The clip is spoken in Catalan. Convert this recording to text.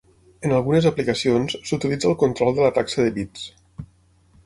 En algunes aplicacions s'utilitza el control de la taxa de bits.